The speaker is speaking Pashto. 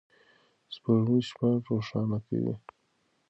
سپوږمۍ شپه روښانه کوي.